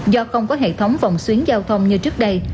do không có hệ thống vòng xuyến giao thông như trước đây